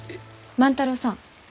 万太郎さん